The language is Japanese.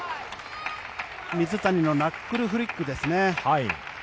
水谷のナックルフリックですね。